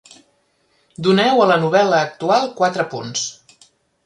Doneu a la novel·la actual quatre punts.